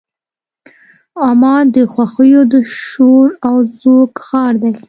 عمان د خوښیو د شور او زوږ ښار دی.